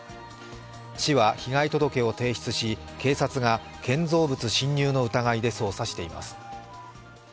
市は被害届を提出し、警察が建造物侵入の疑いで捜査しています。